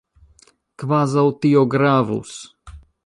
Kvazaŭ tio gravus!